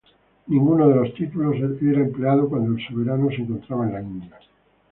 Ninguno de los títulos era empleado cuando el soberano se encontraba en la India.